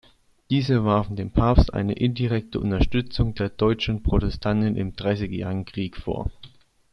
Diese warfen dem Papst eine indirekte Unterstützung der deutschen Protestanten im Dreißigjährigen Krieg vor.